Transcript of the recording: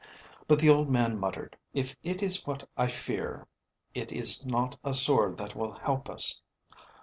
But the old man muttered, "If it is what I fear, it is not a sword that will help us!"